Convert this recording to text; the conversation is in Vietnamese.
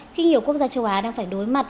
khi nhiều quốc gia châu á đang phải đối mặt